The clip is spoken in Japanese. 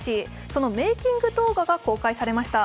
そのメーキング動画が公開されました。